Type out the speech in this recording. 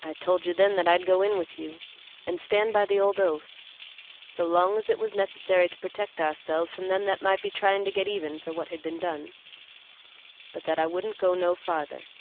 I told you then that I'd go in with you and stand by the old oath, so long as it was necessary to protect ourselves from them that might be tryin' to get even for what had been done, but that I wouldn't go no farther.